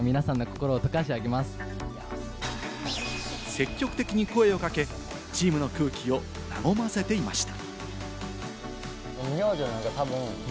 積極的に声をかけ、チームの空気を和ませていました。